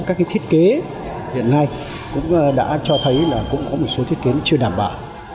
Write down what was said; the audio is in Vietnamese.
các thiết kế hiện nay cũng đã cho thấy là cũng có một số thiết kế chưa đảm bảo